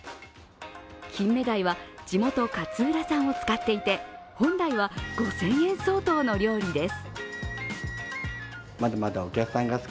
きんめだいは地元・勝浦産を使っていて、本来は５０００円相当の料理です。